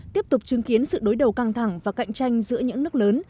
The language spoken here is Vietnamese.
tiếp tục chứng kiến sự đối đầu căng thẳng và cạnh tranh giữa những nước lớn